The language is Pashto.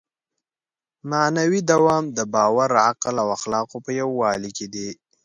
معنوي دوام د باور، عقل او اخلاقو په یووالي کې دی.